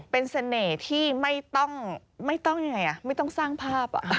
เป็นเสน่ห์ที่ไม่ต้องสร้างภาพ